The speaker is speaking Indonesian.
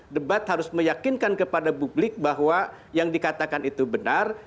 debat harus meyakinkan kepada publik bahwa yang dikatakan itu benar